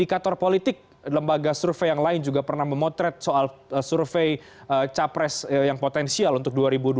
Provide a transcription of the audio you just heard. indikator politik lembaga survei yang lain juga pernah memotret soal survei capres yang potensial untuk dua ribu dua puluh